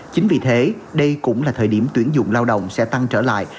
chính vì thế đây cũng là thời điểm tuyển dụng lao động sẽ tăng trở lại